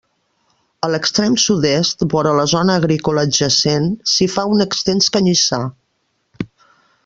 A l'extrem sud-est, vora la zona agrícola adjacent, s'hi fa un extens canyissar.